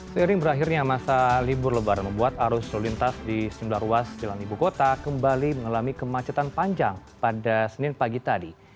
seiring berakhirnya masa libur lebaran membuat arus lalu lintas di sejumlah ruas jalan ibu kota kembali mengalami kemacetan panjang pada senin pagi tadi